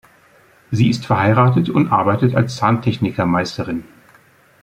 Sie ist verheiratet und arbeitet als Zahntechniker-Meisterin.